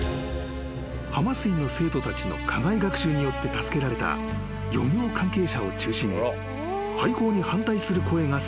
［浜水の生徒たちの課外学習によって助けられた漁業関係者を中心に廃校に反対する声が殺到］